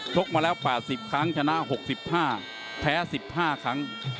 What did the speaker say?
กมาแล้ว๘๐ครั้งชนะ๖๕แพ้๑๕ครั้ง